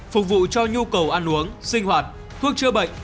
phục vụ cho nhu cầu ăn uống sinh hoạt thuốc chữa bệnh